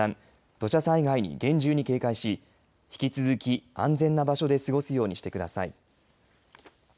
土砂災害に厳重に警戒し引き続き安全な場所で過ごすようにしてください。